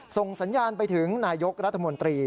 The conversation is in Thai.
ส่งสัญญาณไปถึงนายกรัฐมนตรี